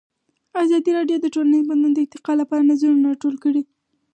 ازادي راډیو د ټولنیز بدلون د ارتقا لپاره نظرونه راټول کړي.